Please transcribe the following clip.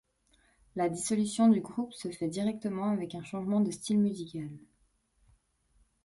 La dissolution du groupe se fait directement avec un changement de style musical.